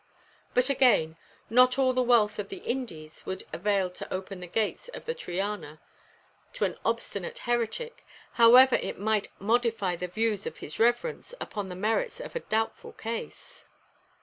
But, again, not all the wealth of the Indies would avail to open the gates of the Triana to an obstinate heretic, however it might modify the views of "his Reverence" upon the merits of a doubtful case.